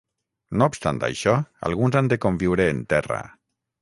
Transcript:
No obstant això, alguns han de conviure en terra.